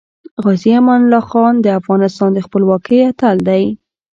غازې امان الله خان د افغانستان د خپلواکۍ اتل دی .